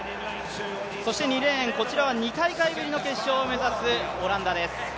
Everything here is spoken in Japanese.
２レーンは２大会ぶりの決勝を目指すオランダです。